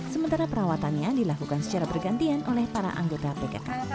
sementara perawatannya dilakukan secara bergantian oleh para anggota pkk